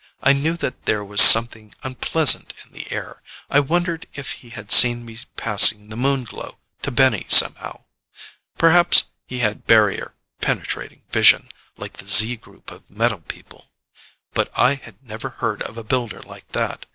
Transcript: I knew that there was something unpleasant in the air. I wondered if he had seen me passing the Moon Glow to Benny somehow. Perhaps he had barrier penetrating vision, like the Z group of metal people ... but I had never heard of a Builder like that.